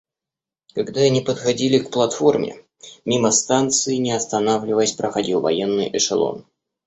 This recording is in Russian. Когда они подходили к платформе, мимо станции, не останавливаясь, проходил военный эшелон.